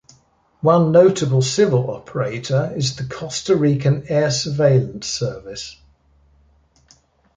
One notable civil operator is the Costa Rican Air Surveillance Service.